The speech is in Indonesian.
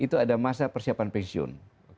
itu ada masa persiapan pensiun